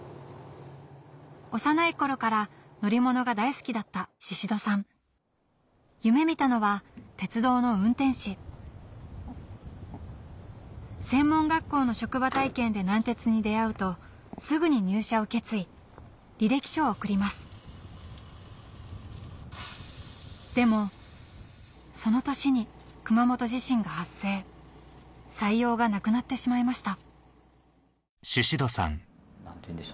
幼い頃から乗り物が大好きだった宍戸さん夢見たのは鉄道の運転士専門学校の職場体験で南鉄に出会うとすぐに入社を決意履歴書を送りますでもその年に熊本地震が発生採用がなくなってしまいました